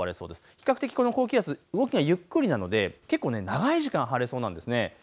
比較的この高気圧、動きがゆっくりなので結構長い時間、晴れそうなんです。